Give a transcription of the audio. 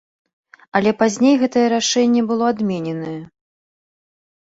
Але пазней гэтае рашэнне было адмененае.